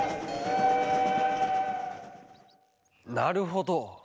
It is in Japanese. なるほど。